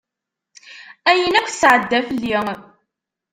Ayen akk tesɛedda fell-i.